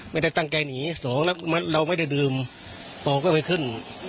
ไม่ได้ตั้งใจหนีสองแล้วเราไม่ได้ดื่มปอก็ไปขึ้น